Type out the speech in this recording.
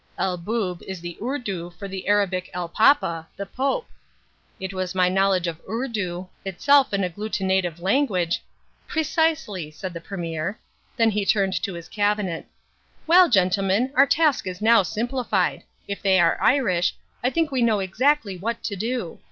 El Boob is the Urdu for the Arabic El Papa, the Pope. It was my knowledge of Urdu, itself an agglutinative language " "Precisely," said the Premier. Then he turned to his Cabinet. "Well, gentlemen, our task is now simplified. If they are Irish, I think we know exactly what to do.